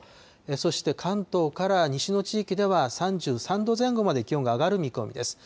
そして、関東から西の地域では、３３度前後まで気温が上がる見込みです。